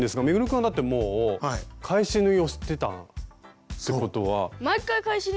君はだってもう返し縫いを知ってたってことは。